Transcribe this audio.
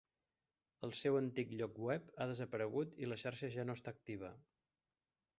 El seu antic lloc web ha desaparegut i la xarxa ja no està activa.